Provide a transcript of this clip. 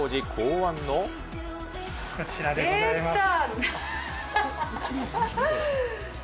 こちらでございます。